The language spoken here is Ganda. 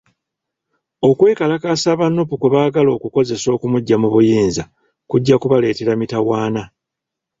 Okwekalakaasa aba Nuupu kwe bagaala okukozesa okumuggya mu buyinza, kujja kubaleetera mitawaana.